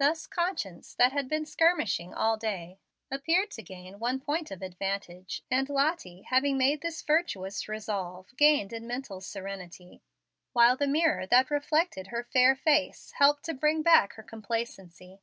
Thus conscience, that had been skirmishing all day, appeared to gain one point of advantage, and Lottie, having made this virtuous resolve, gained in mental serenity, while the mirror that reflected her fair face helped to bring back her complacency.